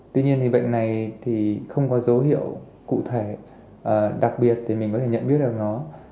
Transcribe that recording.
tuy nhiên thì bệnh này thì không có dấu hiệu cụ thể đặc biệt thì mình có thể nhận biết được nó